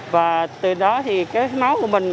và từ đó thì cái máu của mình